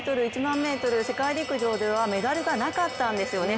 ５０００ｍ、１００００ｍ世界陸上ではメダルがなかったんですよね